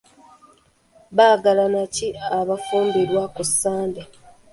Baagalana ki abaafumbirwa ku Sande?